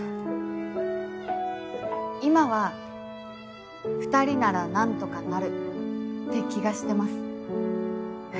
今は２人なら何とかなるって気がしてます。